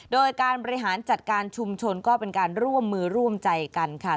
โดยการบริหารจัดการชุมชนก็เป็นการร่วมมือร่วมใจกันค่ะ